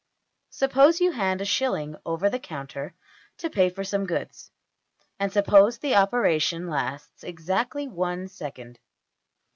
Suppose you hand a shilling over the counter to pay for some goods; and suppose the operation lasts exactly one second.